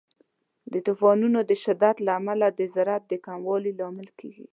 د طوفانونو د شدت له امله د زراعت د کموالي لامل کیږي.